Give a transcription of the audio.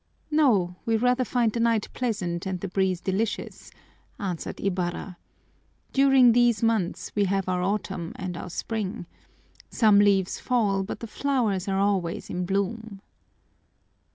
"No, we rather find the night pleasant and the breeze delicious," answered Ibarra. "During these months we have our autumn and our spring. Some leaves fall, but the flowers are always in bloom."